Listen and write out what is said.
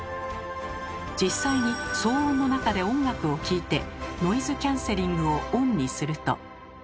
実際に騒音の中で音楽を聴いてノイズキャンセリングをＯＮにすると。